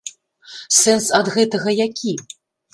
Сэнс ад гэтага які?